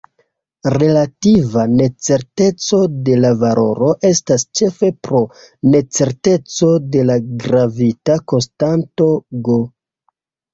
Relativa necerteco de la valoro estas ĉefe pro necerteco de la gravita konstanto "G".